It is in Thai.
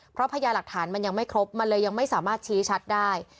เพราะพญาหลักฐานมันยังไม่ครบมันเลยยังไม่สามารถชี้ชัดได้